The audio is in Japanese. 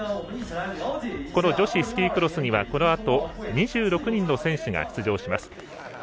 女子スキークロスにはこのあと２６人の選手が出場します。